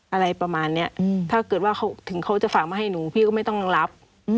อะไรประมาณนี้ถ้าเกิดว่าเขาถึงเขาจะฝากมาให้หนูพี่ก็ไม่ต้องรับ